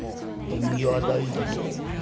縁起は大事だぞ。